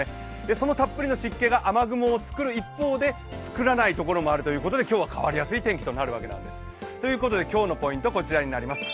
そのたっぷりの湿気が雨雲をつくる一方で作らないところもあるということで、今日は変わりやすい天気となるわけなんです。ということで今日のポイントはこちらになります。